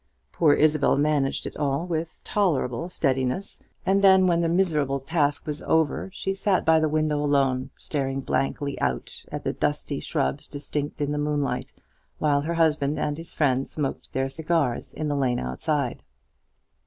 Poor Isabel managed it all with tolerable steadiness; and then, when the miserable task was over, she sat by the window alone, staring blankly out at the dusty shrubs distinct in the moonlight, while her husband and his friend smoked their cigars in the lane outside.